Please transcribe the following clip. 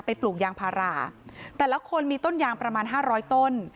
ปลูกยางพาราแต่ละคนมีต้นยางประมาณห้าร้อยต้น